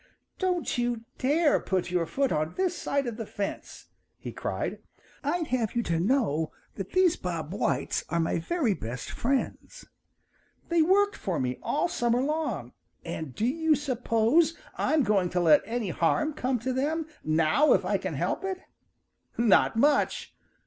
"Don't you dare put your foot on this side of the fence!" he cried. "I'd have you to know that these Bob Whites are my very best friends. They've worked for me all summer long, and do you suppose I'm going to let any harm come to them now if I can help it? Not much!